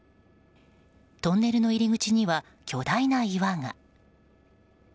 トンネルの入り口には巨大な岩が。